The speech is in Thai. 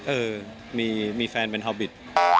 เออมีแฟนเป็นฮาบิต